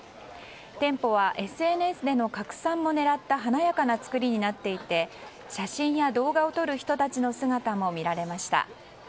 店舗はＳＮＳでの拡散も狙った華やかな造りになっていて写真や動画を撮る人たちの姿も見られました。